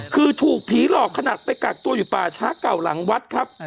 คือถูกผีหลอกขนาดไปกักตัวอยู่ป่าช้าเก่าหลังวัดครับ